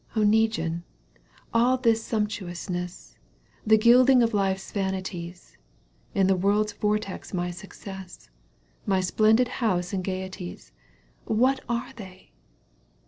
* Oneguine, all this sumptuousness, The gildiDg of life's vanities, In the world's vortex my success, My splendid house and gaieties — What are they